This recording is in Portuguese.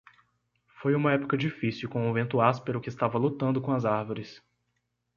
Foi uma época difícil com o vento áspero que estava lutando com as árvores.